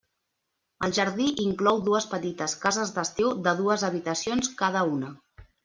El jardí inclou dues petites cases d'estiu de dues habitacions cada una.